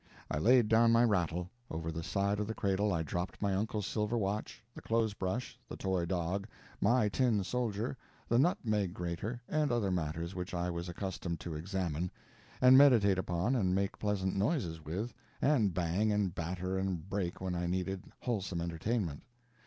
I laid down my rattle; over the side of the cradle I dropped my uncle's silver watch, the clothes brush, the toy dog, my tin soldier, the nutmeg grater, and other matters which I was accustomed to examine, and meditate upon and make pleasant noises with, and bang and batter and break when I needed wholesome entertainment.